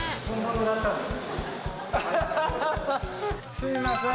すいません。